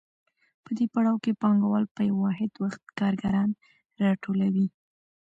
په دې پړاو کې پانګوال په یو واحد وخت کارګران راټولوي